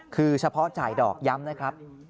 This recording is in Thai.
คือเฉพาะจ่ายดอกย้ำนะครับ